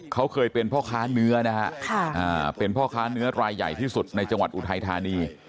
เขาเคยเป็นพ่อค้าเนื้อนะฮะเป็นพ่อค้าเนื้อรายใหญ่ที่สุดในจังหวัดอุทัยธานี